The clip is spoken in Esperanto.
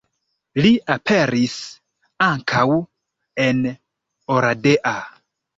Li aperis ankaŭ en Oradea.